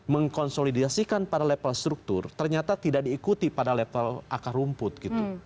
mengkonsolidasikan pada level struktur ternyata tidak diikuti pada level akar rumput gitu